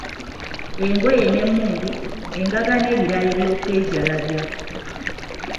Engoye n'emmundu, engaga n'ebirala eby'okwejalabya.